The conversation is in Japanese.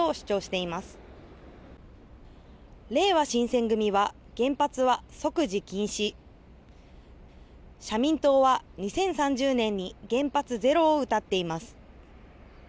れいわ新選組は原発は即時禁止社民党は２０３０年に原発ゼロをうたっています。